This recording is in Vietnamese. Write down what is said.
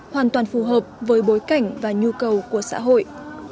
hoàn toàn phù hợp với bối cảnh và nhu cầu của xã hội